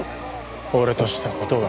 俺とした事が。